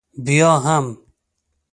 بیا هم.